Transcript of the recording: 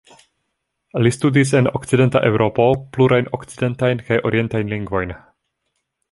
Li studis en Okcidenta Eŭropo plurajn okcidentajn kaj orientajn lingvojn.